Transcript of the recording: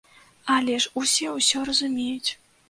Але ж усе ўсё разумеюць!